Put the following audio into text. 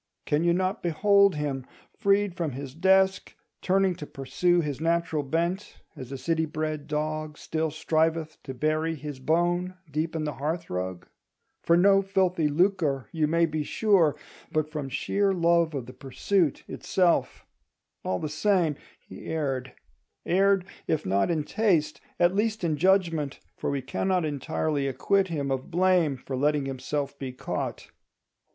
Can you not behold him, freed from his desk, turning to pursue his natural bent, as a city bred dog still striveth to bury his bone deep in the hearth rug? For no filthy lucre, you may be sure, but from sheer love of the pursuit itself! All the same, he erred; erred, if not in taste, at least in judgment: for we cannot entirely acquit him of blame for letting himself be caught.